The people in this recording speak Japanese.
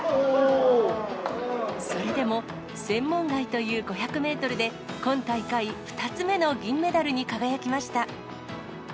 それでも、専門外という５００メートルで、今大会、２つ目の銀メダルに輝きました。